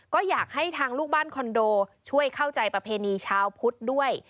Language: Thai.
ก็อยากให้ทางลูกบ้านคอนโดช่วยเข้าใจประเพณีชาวพุทธด้วย